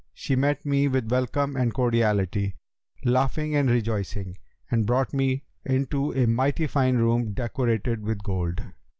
She met me with welcome and cordiality, laughing and rejoicing, and brought me into a mighty fine room decorated with gold.